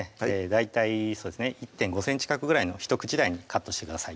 大体そうですね１．５ｃｍ角ぐらいの１口大にカットしてください